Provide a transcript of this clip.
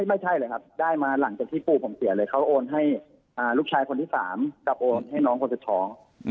ไม่ใช่เลยครับได้มาหลังจากที่ปู่ผมเสียเลยเขาโอนให้ลูกชายคนที่๓กับโอนให้น้องคนสุดท้อง